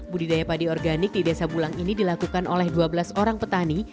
budidaya padi organik di desa bulang ini dilakukan oleh dua belas orang petani